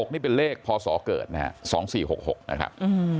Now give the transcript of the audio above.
๖๖๖นี่เป็นเลขพอสอเกิด๒๔๖๖นะครับ